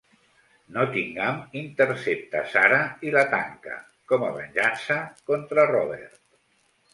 Nottingham intercepta Sara i la tanca, com a venjança contra Robert.